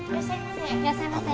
いらっしゃいませ。